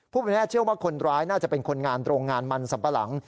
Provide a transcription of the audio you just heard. แบบนี้เชื่อว่าคนร้ายน่าจะเป็นคนงานโรงงานมันสัมปะหลัง